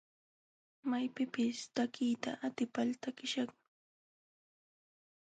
Maypipis takiyta atipal takiśhaqmi.